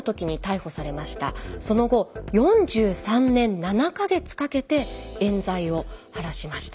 その後４３年７か月かけてえん罪を晴らしました。